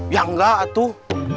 ya enggak atuh